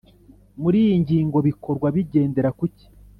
muri iyi ngingo bikorwa bigendera kuki